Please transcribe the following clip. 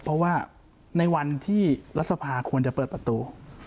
เพราะว่าในวันที่รัฐสภาควรจะเปิดประตู